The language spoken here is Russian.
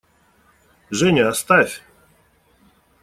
Женя, оставь!